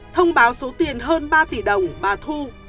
thông báo số tiền hơn ba tỷ đồng bà thu